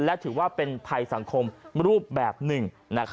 และถือว่าเป็นภัยสังคมรูปแบบหนึ่ง